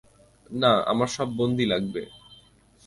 না, আমার সব বন্ধী লাগবে।